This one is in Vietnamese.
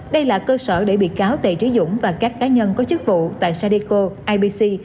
đây là cơ sở để bị cáo tề trí dũng và các cá nhân có chức vụ tại sadeco ibc